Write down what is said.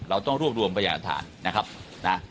เราต้องรวบรวมประหยาดฐานนะครับนะครับ